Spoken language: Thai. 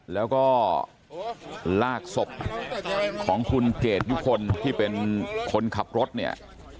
แล้วก็ลากศพของคุณเกดยุคลที่เป็นคนขับรถเนี่ย